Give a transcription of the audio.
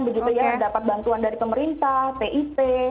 begitu ya yang dapat bantuan dari pemerintah pip